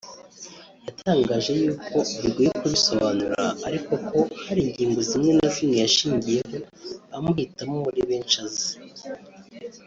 yatangaje y’uko bigoye kubisobanura ariko ko hari ingingo zimwe na zimwe yashingiyeho amuhitamo muri benshi azi